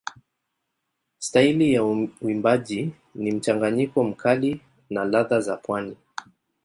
Staili ya uimbaji ni mchanganyiko mkali na ladha za pwani.